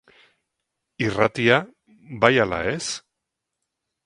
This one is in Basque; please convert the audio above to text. Irratia, bai ala ez?